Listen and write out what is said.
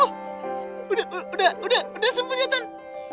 udah udah udah sembuh ya ton